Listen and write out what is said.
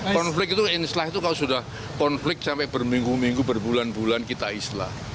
konflik itu islah itu kalau sudah konflik sampai berminggu minggu berbulan bulan kita islah